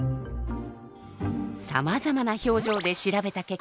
さまざまな表情で調べた結果がこちら。